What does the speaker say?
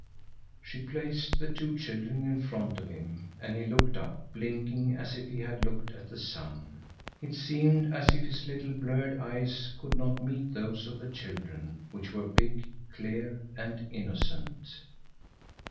She placed the two children in front of him, and he looked up, blinking as if he had looked at the sun. It seemed as if his little, blurred eyes could not meet those of the children, which were big, clear and innocent.